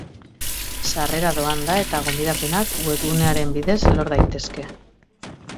Sarrera doan da eta gonbidapenak webgunearen bidez lor daitezke.